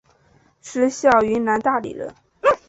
石晓云南大理人。